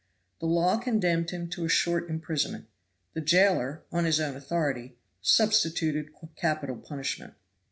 The law condemned him to a short imprisonment. The jailer, on his own authority, substituted capital punishment."